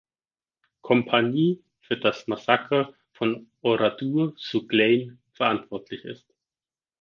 Kompanie für das Massaker von Oradour-sur-Glane verantwortlich ist.